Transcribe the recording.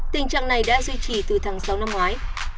tình trạng này đã duy trì từ tháng sáu năm ngoái